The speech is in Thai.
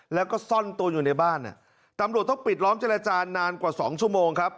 แล้วก็ซ่อนตัวอยู่ในบ้านตำรวจต้องปิดล้อมเจรจานานกว่า๒ชั่วโมงครับ